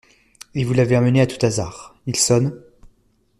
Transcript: Et vous l'avez amené à tout hasard, il sonne.